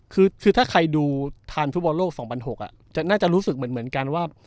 คือถ้าใครดูทานฟุตบอลโลก๒๐๐๖น่าจะรู้สึกเหมือนกันว่า